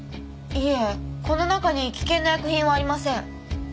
いえこの中に危険な薬品はありません。